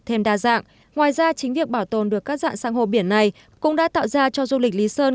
thêm đa dạng ngoài ra chính việc bảo tồn được các dạng san hô biển này cũng đã tạo ra cho du lịch lý sơn